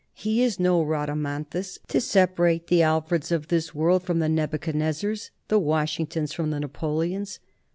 He is no Rhadamanthus, to separate the Alfreds of this world from the Nebuchadnezzars, the Washingtons from the Napoleons.